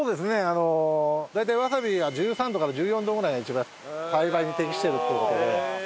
あの大体わさびは１３度から１４度ぐらいが一番栽培に適してるっていう事で。